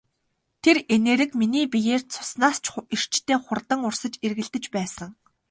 Тэр энерги миний биеэр цуснаас ч эрчтэй хурдан урсан эргэлдэж байсан.